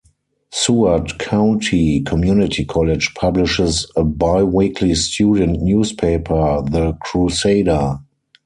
Seward County Community College publishes a bi-weekly student newspaper, the "Crusader".